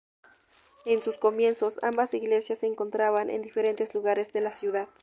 En sus comienzos ambas iglesias se encontraban en diferentes lugares de la ciudad.